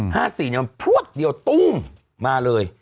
มา๑๙๕๔มาพวกเดี่ยวตุ้งมาเลย